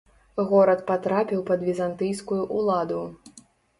Горад патрапіў пад візантыйскую ўладу.